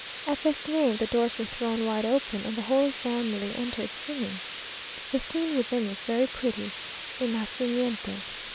At this name the doors were thrown wide open, and the Holy Family entered singing. The scene within was very pretty: a nacimiento.